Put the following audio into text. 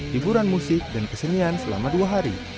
hiburan musik dan kesenian selama dua hari